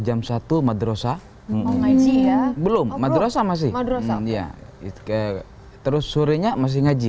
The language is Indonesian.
jam satu madrasah ngaji ya belum madrasah masih madrasah ya itu terus suruhnya masih ngaji